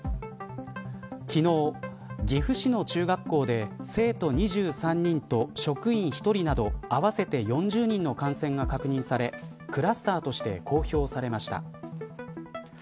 昨日、岐阜市の中学校で生徒２３人と職員１人など合わせて４０人の感染が確認されクラスターとして公表されました。